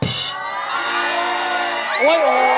โอ้โห